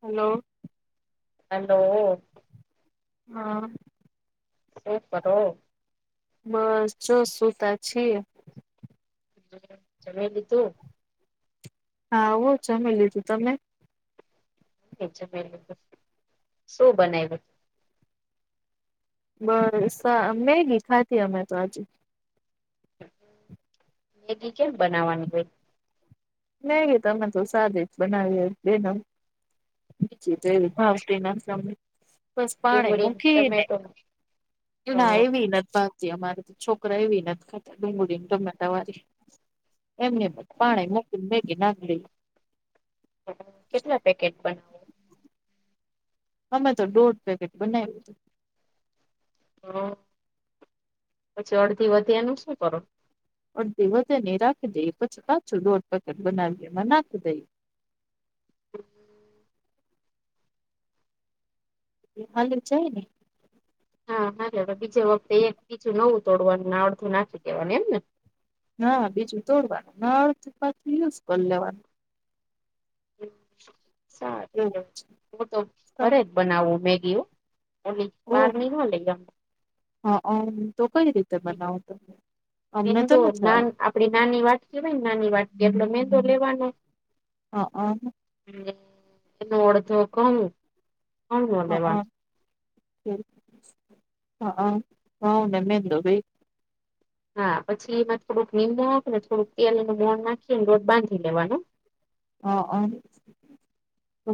Hello. Hello. હા! [unintelligible] બસ. જો સુતા છીએ. જમી લીધું? હા હો જમી લીધું તમે? શું બનાવ્યુ? બસ. મેગી ખાતી અમે તો હજુ. મેગી કેમ બનાવવાની હોઈ. મેગી તો સાદી જ બનાવીએ બે નગ. [unintelligible] બસ પાની ડુંગળી મૂકી ને, ટમેટો અ એવી ન. અમારે તો છોકરા એ ને ખાતા ડુંગળીને ટમેટા વારી. એમને પાણી મુકી ને મેગી નાખ દી. કેટલા પેકેટ પણ અમે તો દોઢ પેકેટ બનાવ્યું હતું. હા! પછી અડધી વધ્યાનું, શું કરો? અધી વધે નહી. રાખી દઈ પછી કાચું દોઢ પેકેટ બનાવી એમાં નાખી દઈ. [inaudible] હાલી જ જાય ને હા હા! બીજે વખતે એક બીજું નવું તોડવાનું. અડધું નાખી દેવાનું. એમ ને? ના બીજું તોડવાનું. ના અડધ પાછી યુઝ કરી લેવાનું. સારું એવું હું તો છે. ઘરે જ બનાવું મેગી હો ઓલી ઓહ બાર ની નહીં લાવું. હા! અમ તો કઈ રીતે બનાવો. અમને તો મેંદો નથી ના આવડતી. આપડી નાની વાટકીવાય ને નાની વાટકી એટલો મેંદો લેવાનો. હ હા! એનું અડધો ધઉ હ હ હ ને મૈદો બેય હા! પછી એમાં થોડુંક નિમક ને થોડુંક તેલનુ મોણ નાખીને લોટ બાંધી લેવાનું. હા હા!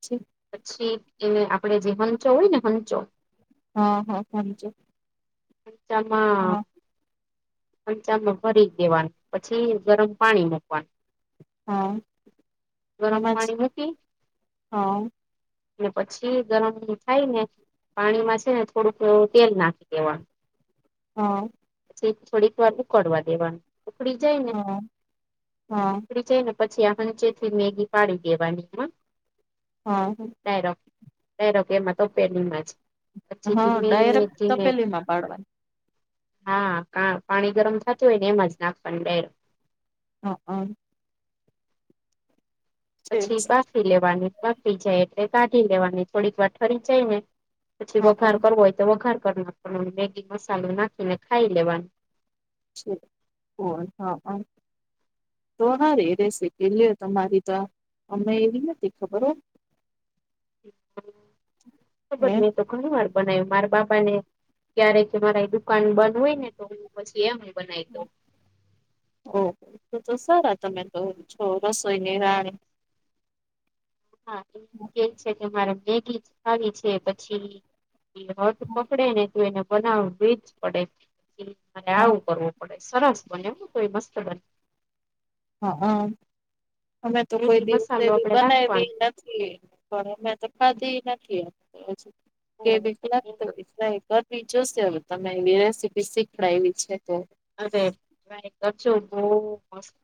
પછી? પછી, એને આપડે જે હંચો હોય ને હંચો. હા હા! હંચો. સંચામાં ચમચામાં ભરી દેવાનું. પછી ગરમ પાણી મૂકવાનું. હા ગરમ એમાં જ પાણી મુકી હા પછી ગરમ થાય ને પાણીમાં છે ને થોડુંક તેલ નાખી દેવાનું હા પછી થોડીક વાર ઉકળવા દેવાનું ઉકડી જાય ને હા હા ઉકડી જાય ને પછી આ સંચેથી મેગી પાડી દેવાની હ હ [unintelligible] મા પાડવાની હા પાણી ગરમ થતું હોય ને એમાં જ નાખવાની ડા યરેક હા હા છે પછી બાફી લેવાની બાફી જાય એટલે કાઢી લેવાની થોડીક વાર ઠરી જાય ને પછી હા અ વઘાર કરવો હોય તો વઘાર મેગી મસાલો નાખીને ખાઈ લેવાનું છે ઓ હા હ [unintelligible] હે [inaudible] ઘણી વાર બનાવ્યું મારા બાપા ને ક્યારે કે મારા દુકાન બંધ હોય, ને તો પછી એમ બનાય તો ઓહ તો તો સારા તમે તો છો રસોઈની રાણી હા એ કે છે, કે મારે મેગી આવી છે પછી એ હદ પકડે ને તો એને બનાવી જ પડે અને હા આવું કરવું પડે સરસ બને હા હ અમે તો કોઈ મેગી દિવસે મસાલો આપડે નાખવાનો બનાવી નથી [inaudible] [unintelligible] રેસીપી શીખડાય એવી છે, તો અરે ટ્રાય કરજો બો મસ્ત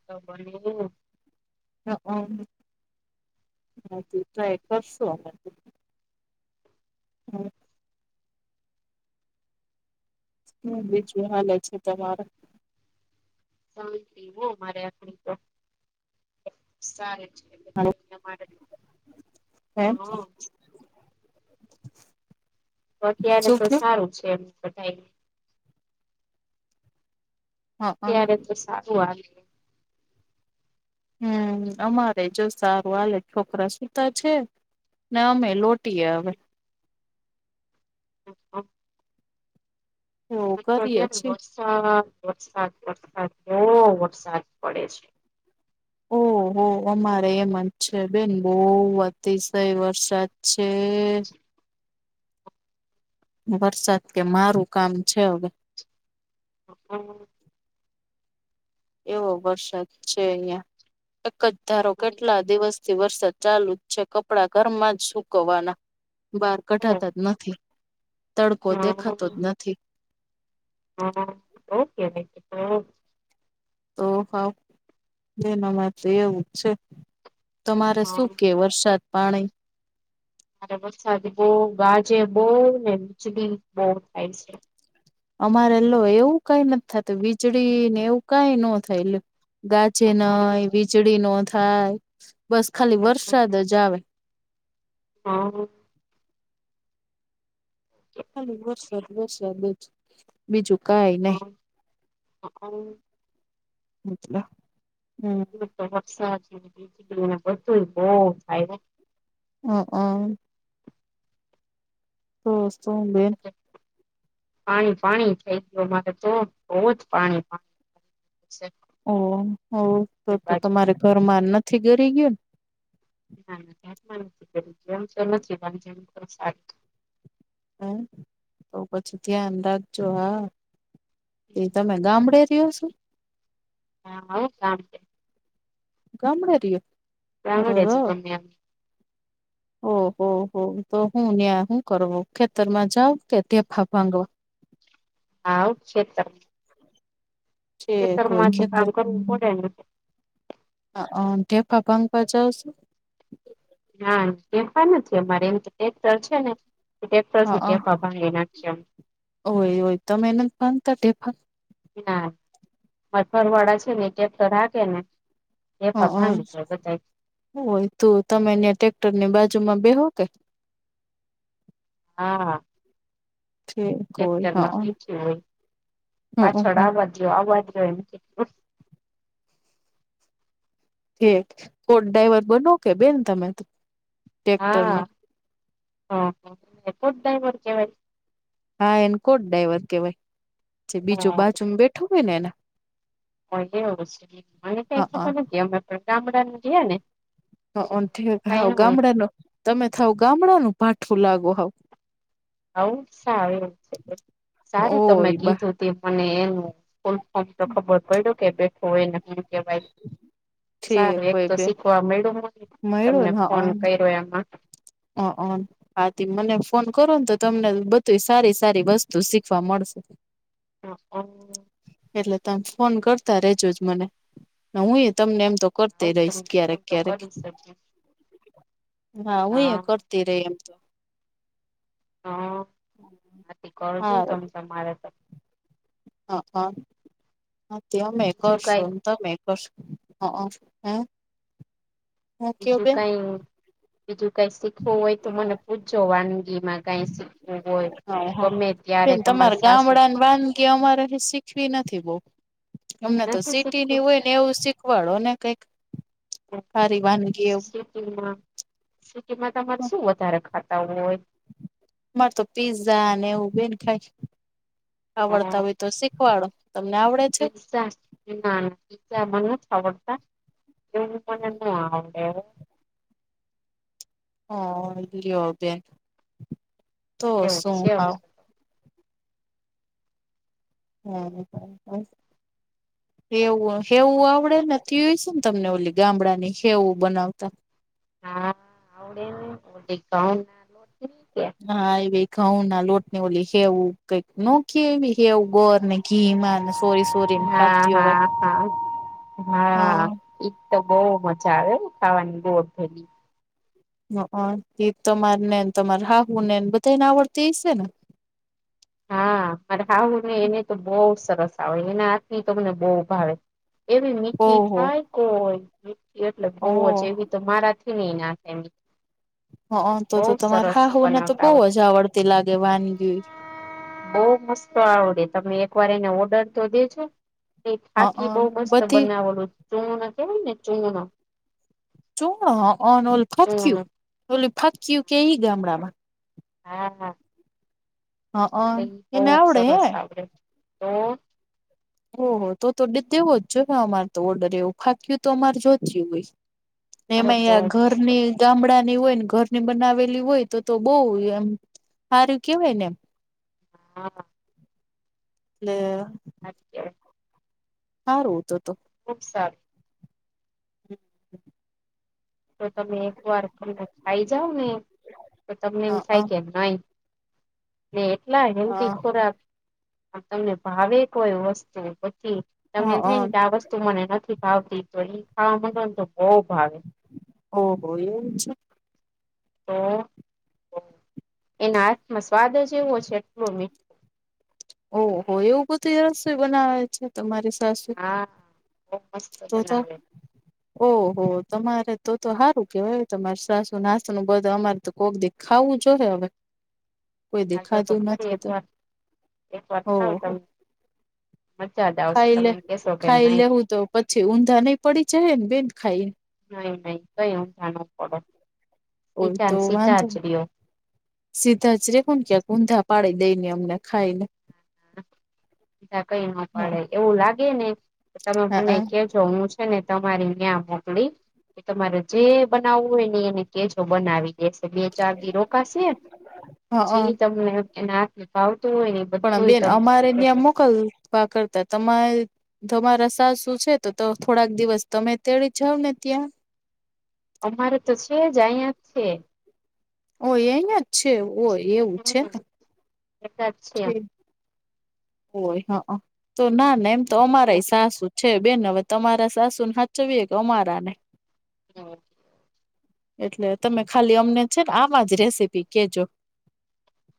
[unintelligible] હા હમ બીજું હાલ છે, તમારા [unintelligible] સારી છે એલા હે હમ શું [unintelligible] થયું? ત્યારે તો સારું આલે હમ, અમારે જો સારુ આલે છોકરા સુતા છે. ના અમે લોટીએ અવે [inaudible] એવું તો કરીએ અત્યારે છીએ. વરસાદ વરસાદ વરસાદ બો વરસાદ પડે છે. ઓહો અમારે એમ જ છે, બેન બો અતિશય વરસાદ છે. વરસાદ કે મારું કામ છે, અવે [inaudible] એવો વરસાદ છે, અહિયાં એક ધારો કેટલા દિવસ થી વરસાદ ચાલુ જ છે, કપડાં ઘરમાં જ સુકવવાના બહાર કઢાતા જ નથી, તડકો દેખાતો જ નથી હા તો તે એવુજ છે તમારે શું મારે કેવ વરસાદ પાણી અ વરસાદ બો ગાજે બો ને વીજળી બો થાય છે. અમારે લો એવું કઈ નથી, થતું વીજળી ને એવું કઈ ન થાય એલે ગાજે નય વીજળી નો થાય બસ ખાલી વરસાદ જ આવે હા ખાલી વરસાદ વરસાદ જ બીજુ કઈ નહી. મ હમ તો વરસાદ વીજળી ને બધુ બવ થાય. હ હ તોસ તો બેન પાણી પાણી થઈ ગયો, મારે તો બહુ જ પાણી છે. ઓ ઓ તો આપણી તો બાજુ તમારે ઘરમા નથી ગરી ગયુ ને ના ના ક્યાંમાં નથી કરમ નથી સારી હમ, તો પછી ધ્યાન રાખજો હા. એ તમે ગામડે રહો છો. હા હા ગામડે ગામડે રીયો ગામડે અરર જ ગમે [inaudible] ઓહ હો હો તો હું ત્યા હું કરો ખેતરમા જાવ કે ઢેફા ભાગો? હા ખેતર છે કોઈ ખેતરમા તો ખેતર કામ કરવુ પડે ને. હ ઢેફા ભાગવા જાવ છો? હા ઢેફા નથી અમારે એમ તો ટ્રેક્ટર છે ને ટ્રેક્ટરથી ઢેફા ભાગી નાખીએ અમે. હોય હોય તમે નથી ભાંગતા ઢેફા? ના અમારા ઘરવાળા છેને ટ્રેક્ટર હાકેને હ હ હોવે તો તમે ને ત્યા ટ્રેક્ટર ની બાજુમા બેહો કે? હા ઠીક હોય ટ્રેક્ટર મા હા બેઠી હોય હમ પાછળ હમ આવવાજદો આવવાજદો એમ કહુ. એક કોટ ડ્રાઈવર બનો કે બેન તમે તો ટ્રેક્ટર હા નો એ કોટ ડ્રાઇવર કહેવાય? હા એને કોટ ડાઈવર કેહેવાય જે બીજુ બાજુમા બેઠુ હોય ને એને. કે એવું સે મને કાઇ હા ખબર નથી અમે પણ ગામળા ના હિયેને. આમ થી હાવ ગામડાનો તમેતો હાવ ગામડા નુ ભાઠું લાગો હાવ. આવુ સારુ સારુ તમે ઓય બા કીધુ તે મને એનુ ફમ તો ખબર પડ્યો કે બેઠો એ નહી કેવાય [inaudible] સારુ ઠીક એક હોય તો બેન શીખવા મળ્યુ મને તમને ફોન કર્યો એમા. આથી મને ફોન કરો ને તો તમને બધુ સારી સારી વસ્તુ શીખવા મળશે. હ એટલે તમ ફોન કરતા રેજો જ મને હુએ તમને એમ તો કરતી રહીશ તમે ક્યારેક ફોન તો ક્યારેક. કરીશ જ હા હું એ કરતી રહીશ એમ તો. હા કરજો હારું તમે તમારે તો હા હા અમે પણ બીજું કરશુ કઈ તમે હ હમ [inaudible] બીજુ કઈ બીજુ કઈ શીખવુ હોય તો મને પૂછજો વાનગીમા કાઈ સી. હા હા બેન તમારી સાસુ ગામડા ની વાનગી અમારે શીખવી નથી બહુ. અમને તો નથી શીખવું સીટીની હોય ને એવુ શીખવાડો ને કઈક. હારી વાનગીઓ સિટીમાં સિટીમાં તમારે એવું શુ વધારે ખાતા હોય? મારે તો પીઝા અને એવુ બેન ખાય છે. પીઝા આવડતા હોય તો શીખવાડો તમને આવડે છે? પિઝા ના ના પિઝા મને નથી આવડતા એવુ મને ના આવડે હો. લો બેન તો એવું શુ છે હાવ. હમ હેવુ આવડેને તીવ છે ને તમને ઓલી ગામડા ની ખેવું બનાવતા હા આવડે ને [inaudible] [unintelligible] હા એ ભ ઘઉં ના લોટની ઓલી હેવું કઈક નોખી એવી હેવું ગોર નહી. ઘી માં સોઇસ. હા હા હા હા. એક તો બહુ મજા આવે ખાવાની ગોળ ભેગી. એ તમાર ને તમાર હાહુ નેને બધાને આવડતી છે ને. હા મારે હાહુ ને એને તો બહુ સરસ આવડે એના હાથ તો મને બહુ ભાવે એવી મીઠી ઓહો થાય કોઈ મીઠી એટલે બહુ જ ઓહ એવી. તો મારાથી નેય નાખે એમ. અહં, તો-તો તમારે હાહુને તો બનાવતા આવડે બહું જ આવડતી લાગે વાનગીયુંઈ. બઉ મસ્ત આવડે, તમે એક વાર એને ઓર્ડર તો દેજો. એ હ ફાકી બહું મસ્ત બધી બનાવે, ઓલું ચૂનુંનો કેવાય ને ચૂનુંનો ચૂનો? અહં ઓલી ફક્યું, ઓલી ફાક્યું કયે ઈ ગામડામાં? હા, હા. એન હ એને બહું આવડે હે સરસ આવડે. તો ઓહો, તો-તો દેત દેવો જ જોએ હો અમારે તો ઓર્ડર એવું, ફાકીયું તો અમારે જોતીય હોય. ને અરે એમાંય બહુ આ મસ્ત ઘરની ગામડા ની હોય ને ઘરની બનાવેલી હોય તો-તો બહુ એમ હારુંય કહેવાય ને એમ. હા. એટલે [unintelligible] હારું તો-તો. ખુબ સારું. [inaudible] તો તમે એક વાર [inaudible] ખાઈ જાવ ને તો તમને એમ હા હા થાય કે નહીં ને એટલા હેલ્ધી હા ખોરાક અને તમને ભાવેય કોઈ વસ્તુ, પછી તમને હા એમ થાય ને હા. કે આ વસ્ત તું મને નથી ભાવતી, તો એ ખાવા મંડો તો બહુ ભાવે. ઓહો એવું છે. તો, એના હાથમાં સ્વાદ જે એવો છે એટલો મીઠ ઓહો એવું બધુંય રસોઈ બનાવે છે તમારી સાસુ. હા બહું મસ્ત તો તો બનાવે. ઓહો, તમારે તો-તો હારું કેવાય હો, તમારે સાસુ [unintelligible] બધું, અમારે તો કોક દી ખાવું જોવે હવે. કોઈ દી આવજો તો ખાધું ખરક નથી તો એકવાર. એક વાર ખાવ ઓહો તમ મજા જ આવશે ખાઈ તમે લે એમ કહેશો કે ખાઈ નહીં લેવું તો પછી ઊંધા નહીં પડી જાય હે ને બેન ખાઈન નહીં-નહીં, કંઈ ઊંધા નો પડો, હોય તો સીધાન સીધા વાંધો ને જ રહ્યો. સીધા જ રહેવુંન ક્યાંક ઊંધા પાડી દઈને અમને ખાઈ ને. ના કંઈ ન પાડે. એવું લાગે ને તમે હ મને કેજ જો હું છે ને તમારી ન્યાં મોકલી એ તમારે જે બનાવવું હોય ને એને કેજો બનાવી દેશે. બે, ચાર દી રોકાશે, હ હ જી તમને એના હાથ ભાવતું હોયન ઈ બધ પણ બેન અમારે ન્યાં મોક લવા કરતા તમાર તમાર સાસું છે તો તો થોડાક દિવસ તમે જ તેડી જાવ ને ત્યાં. અમારે તો છે જ, અહિયાં જ છે. ઓય ઈ અહિયાં જ છે? ઓય એવું છે ને. ભેગાં છી અમ. ઓય અહં. તો ના-ના એમ તો અમારાય સાસું છે બેન હવે તમારા સાસુને હાચવીએ કે અમારા ને. હમ્મ. એટલે તમે ખાલી અમને છે ને આવા જ રેસીપી કહેજો.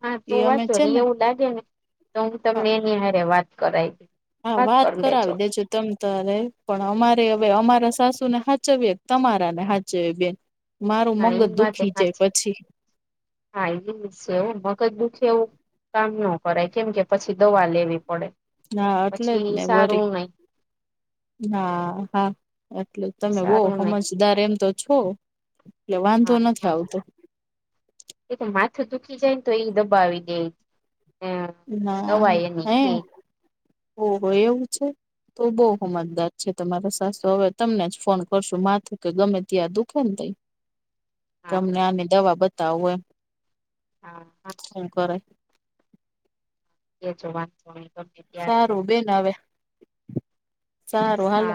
હા તો વાંધો નહીં, એવું લાગે ને તો હું તમને એની હારે વાત કરાઈ દેય. હા વાત કરાવી દેજો તમ તોરે, પણ અમારે હવે અમારા સાસુ ને હાચ ચવવીએ કે તમારા ને હાચવવીએ બેન? મારું હા એ મગજ વાત દુખી જાય સાચી પછી. હા ઈય છે હો, મગજ દુઃખે એવું કામ ન કરાય, કેમ કે પછી દવા લેવી પડે. ના એટલે જ પછી ને સારું વળી. નહી હા, હા એટલે તમે બહું સારું નહી હમજદાર એમ તો છો. એટલે વાંધો નથી આવતો એટલે માથું તૂકીી જાય ને તો એ દબાવી દે ના દવા એની હે કે ઓ એવું છે. તો બઉ સમજદાર છે, તમારે સાસો હવે તમને જ ફોન કરશું માથું કે ગમે ત્યાં દુખે ને તઈ [inaudible] તમને આની દવા બતાવું એમ હા હા શું કરે એ જો વા સારું બેન હવે સારું હાલો